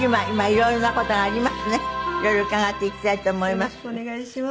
色々伺っていきたいと思います。